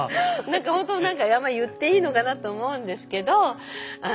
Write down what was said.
本当何か言っていいのかなと思うんですけど。